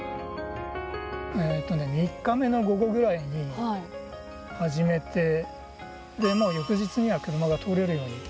３日目の午後ぐらいに始めてでもう翌日には車が通れるように。